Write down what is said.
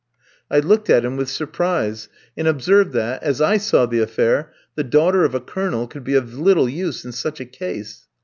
I looked at him with surprise, and observed that, as I saw the affair, the daughter of a Colonel could be of little use in such a case.